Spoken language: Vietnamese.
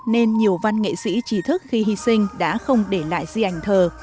nên nhiều văn nghệ sĩ trí thức khi hy sinh đã không để lại di ảnh thờ